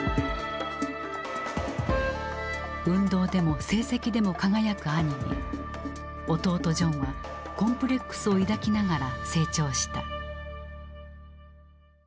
運動でも成績でも輝く兄に弟ジョンはコンプレックスを抱きながら成長した。